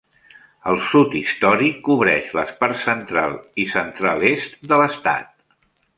El Sud Històric cobreix les parts central i central-est de l"estat.